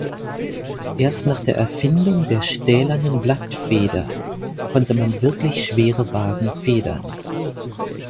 Erst nach der Erfindung der stählernen Blattfeder konnte man wirklich schwere Wagen federn.